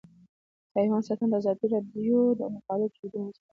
حیوان ساتنه د ازادي راډیو د مقالو کلیدي موضوع پاتې شوی.